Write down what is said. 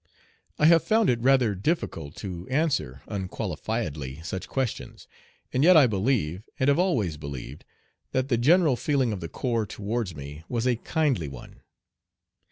I have found it rather difficult to answer unqualifiedly such questions; and yet I believe, and have always believed, that the general feeling of the corps towards me was a kindly one.